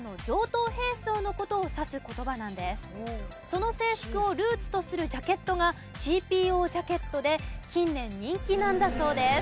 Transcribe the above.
その制服をルーツとするジャケットがＣＰＯジャケットで近年人気なんだそうです。